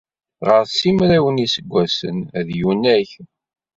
Ɣer simraw n yiseggasen ay yunag.